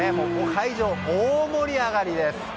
会場、大盛り上がりです。